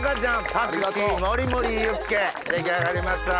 パクチーもりもりユッケ出来上がりました！